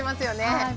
はい。